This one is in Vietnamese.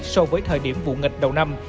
so với thời điểm vụ nghịch đầu năm